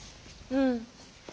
うん。